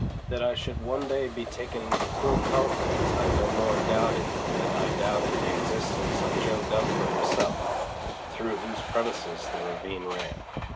That I should one day be taken into full confidence I no more doubted than I doubted the existence of Jo. Dunfer himself, through whose premises the ravine ran.